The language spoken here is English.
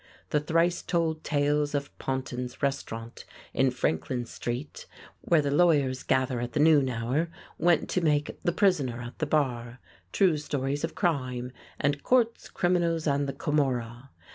The thrice told tales of Pontin's Restaurant in Franklin Street, where the lawyers gather at the noon hour, went to make "The Prisoner at the Bar," "True Stories of Crime" and "Courts, Criminals and the Camorra."